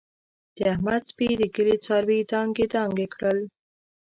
د احمد سپي د کلي څاروي دانګې دانګې کړل.